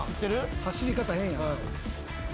走り方変やな。